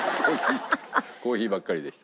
コーヒーばっかりでした。